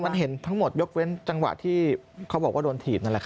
มันเห็นทั้งหมดยกเว้นจังหวะที่เขาบอกว่าโดนถีบนั่นแหละครับ